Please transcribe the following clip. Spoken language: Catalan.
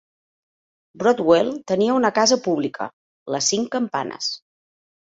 Broadwell tenia una casa pública, les Cinc Campanes.